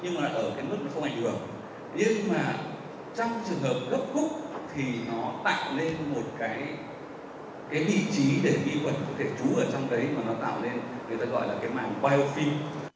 nhưng mà trong trường hợp gấp khúc thì nó tạo lên một cái vị trí để vi khuẩn có thể trú ở trong đấy mà nó tạo lên người ta gọi là cái mạng biofilm